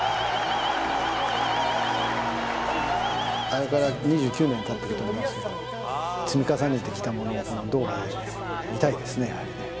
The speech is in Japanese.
あれから２９年経ってると思いますけど積み重ねてきたものをこのドーハで見たいですねやはりね。